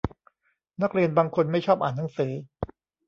นักเรียนบางคนไม่ชอบอ่านหนังสือ